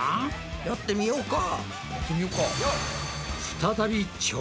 やってみようか。